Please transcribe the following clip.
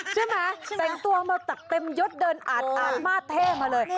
ใช่ไหมแต่งตัวมาตักเต็มยดเดินอาดมาดเท่มาเลย